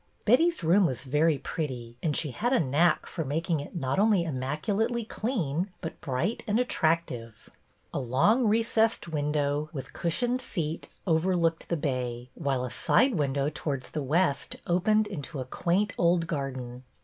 Betty's room was very pretty, and she had a knack of making it not only immaculately clean, but bright and attractive. A long, recessed win 1 8 BETTY BAIRD'S VENTURES dow, with cushioned seat, overlooked the bay, while a side window towards the west opened into a quaint old garden.